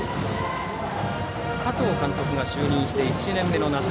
加藤監督が就任して１年目の夏